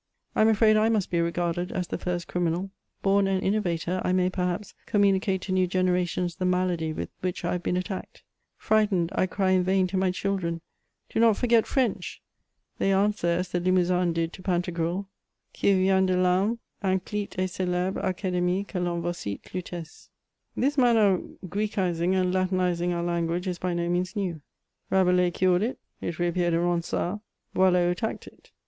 I am afraid I must be regarded as the first criminal : born an innovator, I may, perhaps, communicate to new generations the malady with which I have been attacked. Frightened, I cry in vain to my children :" Do not forget French !" They answer as the Limousin did to Pantagruel, " QuUls viennent de falme, inclyte et c^lhbre acad^mie que Von vocite Lutece,*^ This manner of Grecising and Latinising our language is by no means new. Rabelais cured it, it reappeared in Ronsard ; Boileau attacked it.